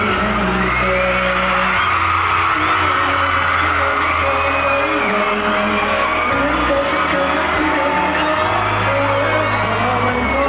ที่มันยังไม่ต้องไว้ไว้เหมือนใจฉันก็ไม่เพียงของเธอ